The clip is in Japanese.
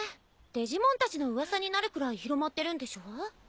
デジモンたちの噂になるくらい広まってるんでしょ？